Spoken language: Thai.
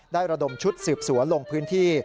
ระดมชุดสืบสวนลงพื้นที่